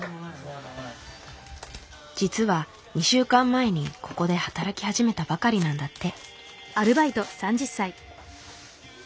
実は２週間前にここで働き始めたばかりなんだって。